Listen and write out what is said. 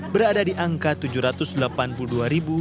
berada di angka tujuh ratus delapan puluh dua seratus puluh dua ribu